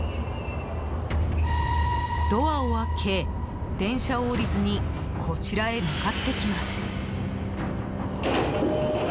ドアを開け、電車を降りずにこちらへ向かってきます。